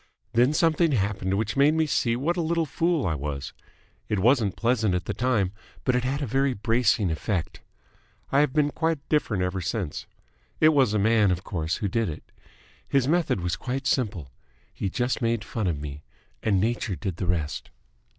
Then something happened which made me see what a little fool I was. It wasn't pleasant at the time, but it had a very bracing effect. I have been quite different ever since. It was a man, of course, who did it. His method was quite simple. He just made fun of me, and Nature did the rest."